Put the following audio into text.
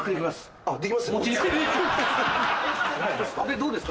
どうですか？